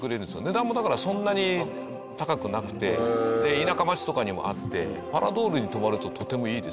値段もだからそんなに高くなくてで田舎町とかにもあってパラドールに泊まるととてもいいですよ。